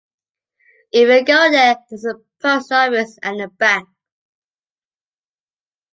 If you go there, there is a post office and a bank.